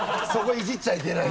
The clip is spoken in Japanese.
イジっちゃいけない。